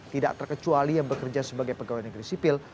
tidak terkecuali yang bekerja sebagai pegawai negeri sipil